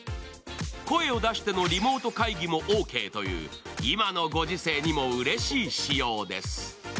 声を出してのリモート会議もオーケーという、今のご時世にもうれしい仕様です。